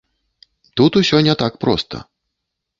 Тут усё не так проста.